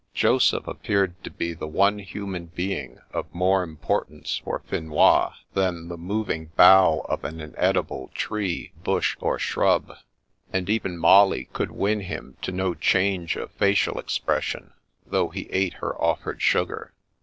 Jo seph appeared to be the one human being of more importance for Finois than the moving bough of an inedible tree, bush, or shrub, and even Molly could win him to no change of facial expression, though he ate her offered sugar.